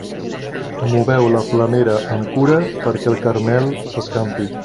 Moveu la flamera amb cura perquè el caramel s'escampi.